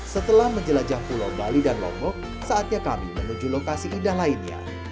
setelah menjelajah pulau bali dan lombok saatnya kami menuju lokasi indah lainnya